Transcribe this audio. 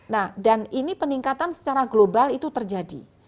nah dan ini peningkatan secara global itu terjadi